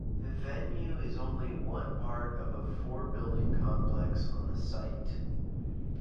The venue is only one part of a four-building complex on the site.